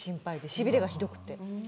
しびれがひどくて。